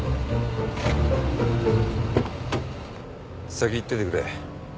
先行っててくれ。